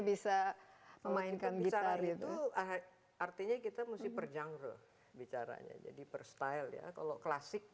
bisa memainkan gitar itu artinya kita musik perjangkul bicara jadi per style ya kalau klasik